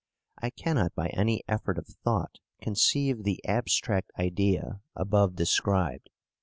I cannot by any effort of thought conceive the abstract idea above described.